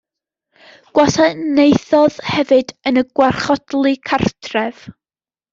Gwasanaethodd hefyd yn y Gwarchodlu Cartref.